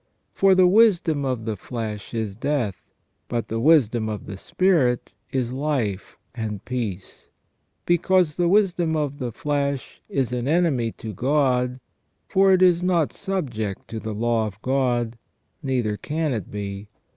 For the wisdom of the flesh is death : but the wisdom of the spirit is life and peace. Because the wisdom of the flesh is an enemy to God ; for it is not subject to the law of God, neither can it be.